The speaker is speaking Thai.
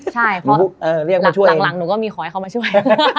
ใช่เพราะเออเรียกมาช่วยหลังหลังหนูก็มีขอให้เขามาช่วยเออ